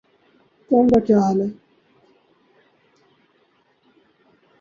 قوم کا کیا حال ہے۔